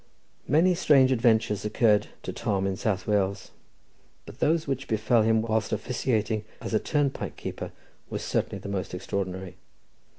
Many strange adventures occurred to Tom in South Wales, but those which befell him whilst officiating as a turnpike keeper were certainly the most extraordinary.